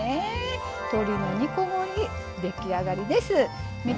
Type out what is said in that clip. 鶏の煮こごり出来上がりです。